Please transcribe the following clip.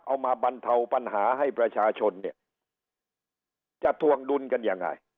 มาบรรเทาปัญหาให้ประชาชนเนี่ยจะทวงดุลกันยังไง